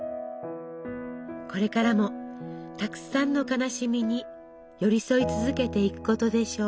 これからもたくさんの悲しみに寄り添い続けていくことでしょう。